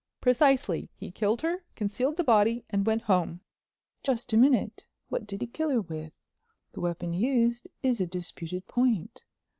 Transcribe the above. "Precisely. He killed her, concealed the body, and went home." "Just a minute," said Yerrington—"what did he kill her with? The weapon used is a disputed point.